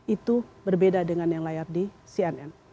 itu berbeda dengan yang layar di cnn